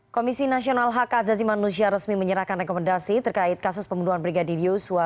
komisi nasional hak azazi manusia resmi menyerahkan rekomendasi terkait kasus pembunuhan brigadir yosua